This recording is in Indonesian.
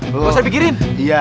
gak usah mikirin